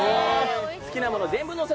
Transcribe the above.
好きなもの全部載せ！